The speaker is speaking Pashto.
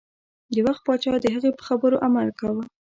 د وخت پاچا د هغې په خبرو عمل کاوه.